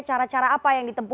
cara cara apa yang ditempuh